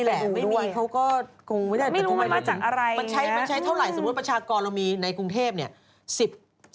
ก็ลงพื้นที่แบบอยู่ด้วยไม่รู้มันมาจากอะไรอย่างนี้มันใช้เท่าไหร่สมมุติประชากรเรามีในกรุงเทพฯเนี่ย๑๑ล้านคน